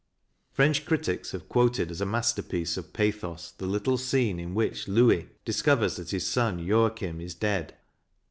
French critics have quoted as a masterpiece of pathos the little scene in which Louis discovers that his son Joachim is dead.